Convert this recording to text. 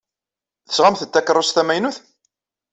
Tesɣamt-d takeṛṛust tamaynut?